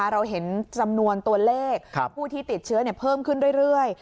เราเห็นจำนวนตัวเลขผู้ที่ติดเชื้อเพิ่มขึ้นเรื่อย